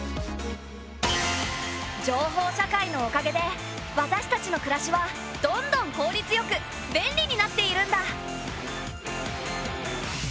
情報社会のおかげで私たちの暮らしはどんどん効率よく便利になっているんだ。